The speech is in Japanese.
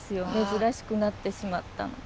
珍しくなってしまったの。